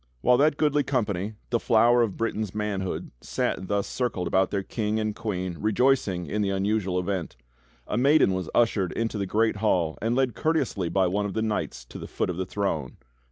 While that goodly company, the flower of Britain's manhood, sat thus circled about their King and Queen rejoicing in the unusual event, a maiden was ushered into the great hall and led courteously by one of the knights to the foot of the throne.